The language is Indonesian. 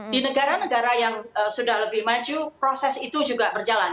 di negara negara yang sudah lebih maju proses itu juga berjalan